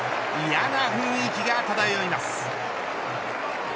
嫌な雰囲気が漂います。